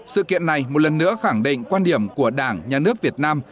sự kiện này một lần nữa khẳng định quan điểm của đảng nhà nước việt nam